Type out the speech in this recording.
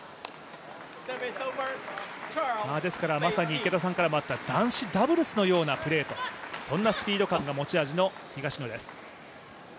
まさに男子ダブルスのようなプレーと、そんなスピード感が持ち味の東野です。